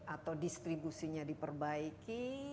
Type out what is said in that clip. atau distribusinya diperbaiki